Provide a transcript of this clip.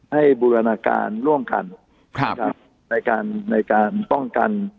ให้บุรณการณ์ร่วมครรภ์ครับในการในการป้องกัน